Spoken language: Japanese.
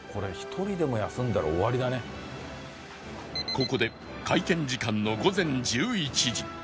ここで開店時間の午前１１時